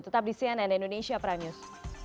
tetap di cnn indonesia prime news